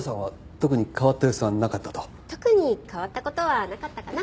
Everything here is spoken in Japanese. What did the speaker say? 特に変わった事はなかったかな。